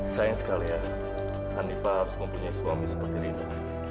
sayang sekali ya hanifah harus mempunyai suami seperti dino